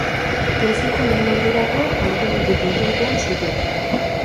Goizeko lehen ordurako hartu dute kontrolpean sutea.